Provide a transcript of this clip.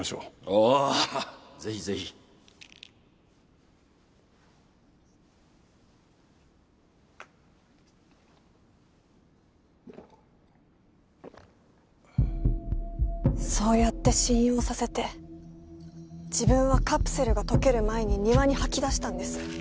おぉぜひぜひそうやって信用させて自分はカプセルが溶ける前に庭に吐き出したんです。